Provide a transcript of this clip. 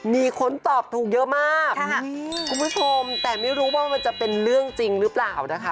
มีคนตอบถูกเยอะมากคุณผู้ชมแต่ไม่รู้ว่ามันจะเป็นเรื่องจริงหรือเปล่านะคะ